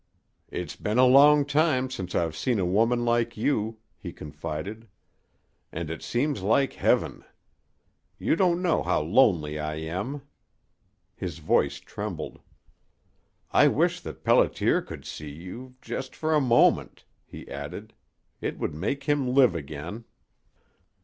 "It's been a long time since I've seen a woman like you," he confided. "And it seems like heaven. You don't know how lonely I am!" His voice trembled. "I wish that Pelliter could see you just for a moment," he added. "It would make him live again."